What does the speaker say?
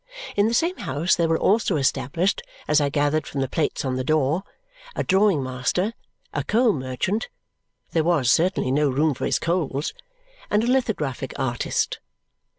In the same house there were also established, as I gathered from the plates on the door, a drawing master, a coal merchant (there was, certainly, no room for his coals), and a lithographic artist.